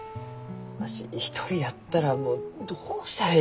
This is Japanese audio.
わし一人やったらもうどうしたらえいか。